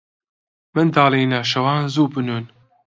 منداڵینە، شەوان زوو بنوون.